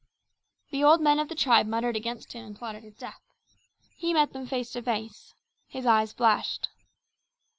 The old men of the tribe muttered against him and plotted his death. He met them face to face. His eyes flashed.